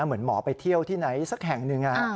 เหมือนหมอไปเที่ยวที่ไหนสักแห่งหนึ่ง